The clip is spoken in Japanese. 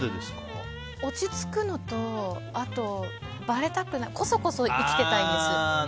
落ち着くのとあと、ばれたくないこそこそ生きていたいんです。